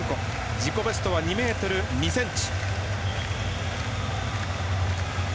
自己ベストは２ｍ２ｃｍ。